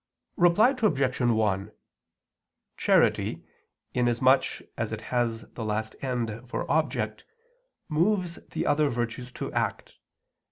Reply Obj. 1: Charity, inasmuch as it has the last end for object, moves the other virtues to act.